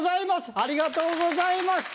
ありがとうございます。